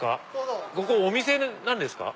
ここお店なんですか？